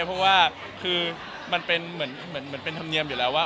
เพราะว่าคือมันเป็นเหมือนเป็นธรรมเนียมอยู่แล้วว่า